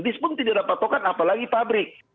dispun tidak ada patokan apalagi pabrik